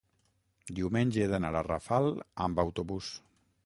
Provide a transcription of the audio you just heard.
Diumenge he d'anar a Rafal amb autobús.